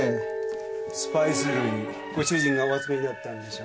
スパイス類ご主人がお集めになったんでしょう。